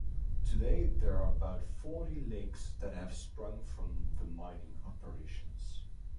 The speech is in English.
Today, there are about forty lakes that have sprung from the mining operations.